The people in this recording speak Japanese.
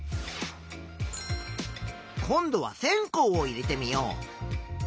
今度は線香を入れてみよう。